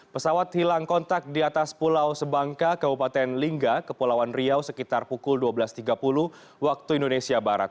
pesawat hilang kontak di atas pulau sebangka kabupaten lingga kepulauan riau sekitar pukul dua belas tiga puluh waktu indonesia barat